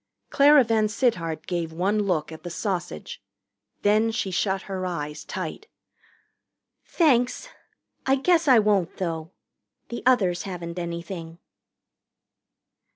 Clara VanSittart gave one look at the sausage. Then she shut her eyes tight. "Thanks I guess I won't, though. The others haven't anything."